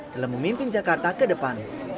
dalam memimpin jakarta ke depan